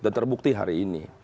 dan terbukti hari ini